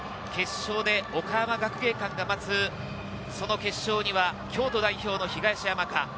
岡山学芸館が待つ、その決勝には京都代表の東山か？